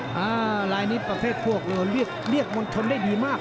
อ่ารายนิทประเภทพวกเลือกมนตรงได้ดีมาก